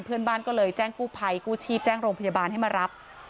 เพื่อนบ้านก็เลยแจ้งกู้ภัยกู้ชีพแจ้งโรงพยาบาลให้มารับ